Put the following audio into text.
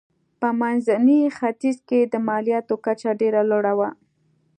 په منځني ختیځ کې د مالیاتو کچه ډېره لوړه وه.